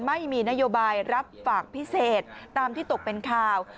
ไม่มีนโยบายรับฝากพิเศษตามที่ตกเป็นข่าว